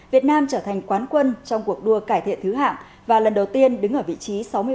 việt nam trở thành quán quân trong cuộc đua cải thiện thứ hạng và lần đầu tiên đứng ở vị trí sáu mươi ba